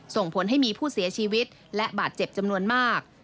ส่งผลให้มีผู้เสียชีวิตและบาดเจ็บจำนวนมาก